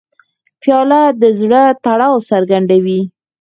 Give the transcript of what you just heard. پیاله د زړه تړاو څرګندوي.